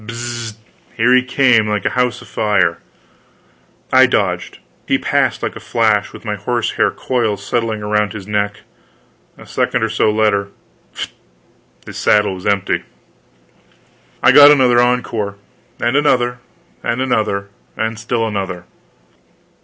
Bzz! Here he came, like a house afire; I dodged: he passed like a flash, with my horse hair coils settling around his neck; a second or so later, fst! his saddle was empty. I got another encore; and another, and another, and still another.